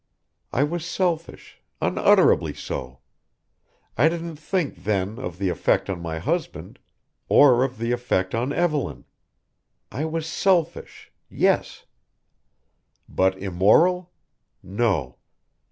I was selfish unutterably so. I didn't think then of the effect on my husband or of the effect on Evelyn. I was selfish yes. But immoral no!